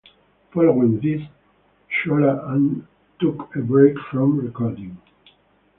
Following this, Shola Ama took a break from recording.